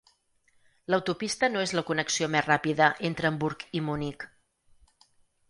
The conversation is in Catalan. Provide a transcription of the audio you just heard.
L'autopista no és la connexió més ràpida entre Hamburg i Munic.